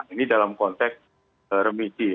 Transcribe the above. ini dalam konteks remisi